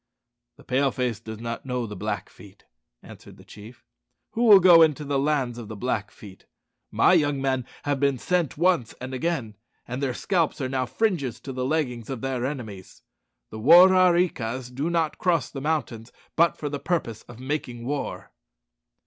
"The Pale face does not know the Blackfeet," answered the chief. "Who will go into the lands of the Blackfeet? My young men have been sent once and again, and their scalps are now fringes to the leggings of their enemies. The War are ree kas do not cross the mountains but for the purpose of making war."